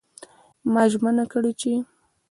ما ژمنه کړې چې